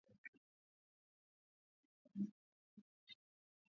Watoto siku izi awana tena adabu mbele ya wakubwa